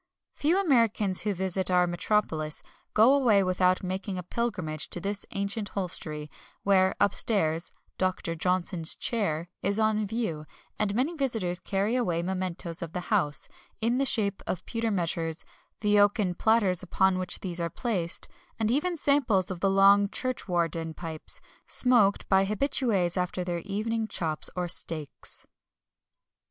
Few Americans who visit our metropolis go away without making a pilgrimage to this ancient hostelry, where, upstairs, "Doctor Johnson's Chair" is on view; and many visitors carry away mementoes of the house, in the shape of pewter measures, the oaken platters upon which these are placed, and even samples of the long "churchwarden" pipes, smoked by habitués after their evening chops or steaks.